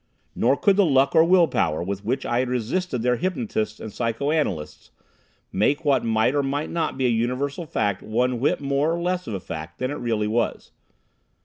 Nor could the luck or will power, with which I had resisted their hypnotists and psychoanalysts, make what might or might not be a universal fact one whit more or less of a fact than it really was.